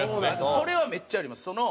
それはめっちゃあります。